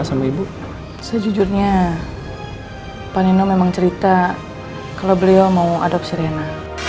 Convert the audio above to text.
sama ibu sejujurnya pak nino memang cerita kalau beliau mau adopsi rina